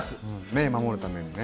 目を守るために。